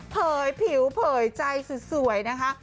เผยผิวเผยใจสุดสวยนะคะ